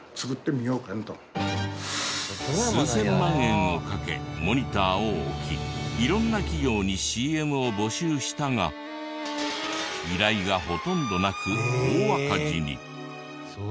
数千万円をかけモニターを置き色んな企業にＣＭを募集したが依頼がほとんどなく大赤字に。